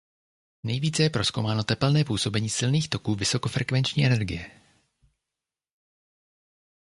Nejvíce je prozkoumáno tepelné působení silných toků vysokofrekvenční energie.